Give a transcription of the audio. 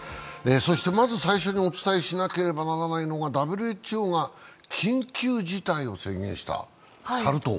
そしてまず最初にお伝えしなければならないのはＷＨＯが緊急事態を宣言した、サル痘。